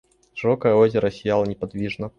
Широкое озеро сияло неподвижно.